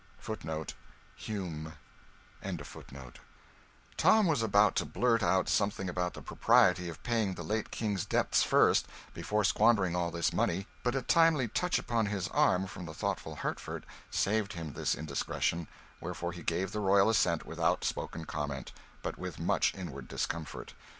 Tom was about to blurt out something about the propriety of paying the late King's debts first, before squandering all this money, but a timely touch upon his arm, from the thoughtful Hertford, saved him this indiscretion; wherefore he gave the royal assent, without spoken comment, but with much inward discomfort.